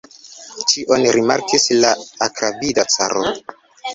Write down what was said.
Ĉion rimarkis la akravida caro!